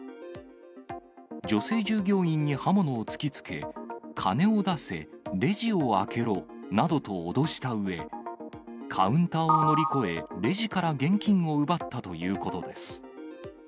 女性従業員に刃物を突きつけ、金を出せ、レジを開けろなどと脅したうえ、カウンターを乗り越え、レジから現金を奪ったということです。